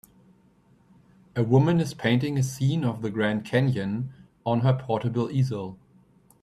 A woman is painting a scene of the Grand Canyon on her portable easel.